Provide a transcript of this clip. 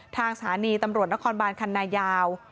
สถานีตำรวจนครบานคันนายาว